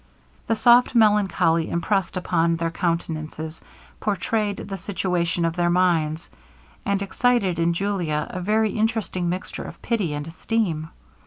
The soft melancholy impressed upon their countenances, pourtrayed the situation of their minds, and excited in Julia a very interesting mixture of pity and esteem.